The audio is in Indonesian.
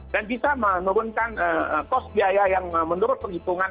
dan bisa menurunkan kos biaya yang menurut perhitungan